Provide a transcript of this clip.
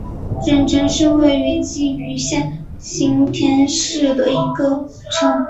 忍城是位在崎玉县行田市的一座城。